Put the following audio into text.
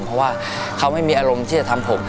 เพราะว่าเขาไม่มีอารมณ์ที่จะทำผม